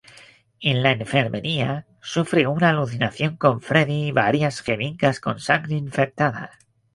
En la enfermería sufre una alucinación con Freddy y varias jeringas con sangre infectada.